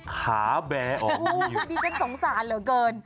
ขาแบ๋ออกจริงคุณดีจะสงสารเหลือเกิน